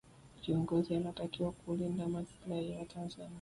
kiongozi anatakiwa kulinde masilahi ya watanzania